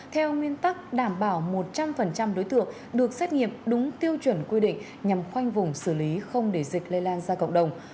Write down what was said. theo nguyên tắc đảm bảo một trăm linh đối tượng được xét nghiệm đúng tiêu chuẩn quy định nhằm khoanh vùng xử lý không để dịch lây lan ra cộng đồng